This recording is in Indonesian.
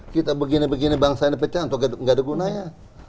kita begini begini bangsa ini pecah atau nggak ada gunanya